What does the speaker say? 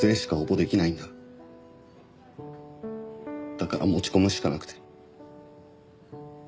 だから持ち込むしかなくて。